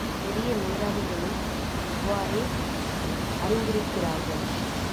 பெரிய மேதாவிகளும் இவ்வாறே அறிந்திருக்கிறார்கள்.